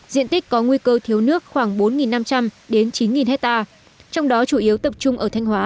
diện tích có nguy cơ thiếu nước khoảng bốn năm trăm linh chín hectare trong đó chủ yếu tập trung ở thanh hóa